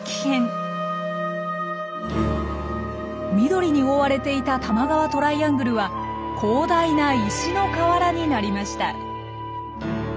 緑に覆われていた多摩川トライアングルは広大な石の河原になりました。